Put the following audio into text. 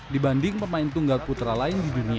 dibanding pemain tunggal putra lain di dunia